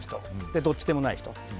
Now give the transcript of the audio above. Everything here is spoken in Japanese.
どっちでもない人。